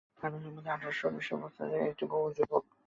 আরোহীর মধ্যে আঠারো-উনিশ বৎসরের এক বৌ ও একটি যুবক।